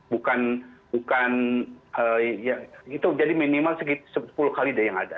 bukan bukan ya itu jadi minimal sepuluh kali deh yang ada